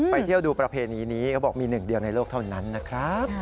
เที่ยวดูประเพณีนี้เขาบอกมีหนึ่งเดียวในโลกเท่านั้นนะครับ